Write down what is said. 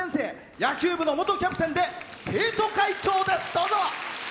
野球部の元キャプテンで生徒会長です。